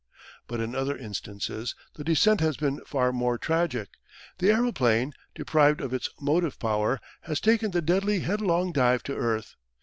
But in other instances the descent has been far more tragic. The aeroplane, deprived of its motive power, has taken the deadly headlong dive to earth.